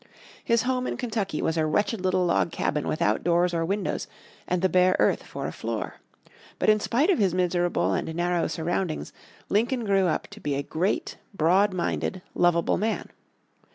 His home in Kentucky was a wretched little log cabin without doors or windows, and the bare earth for a floor. But in spite of his miserable and narrow surroundings Lincoln grew up to be a great, broad minded loveable man.